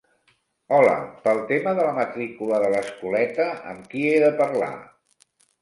Hola, pel tema de la matrícula de l'escoleta amb qui he de parlar?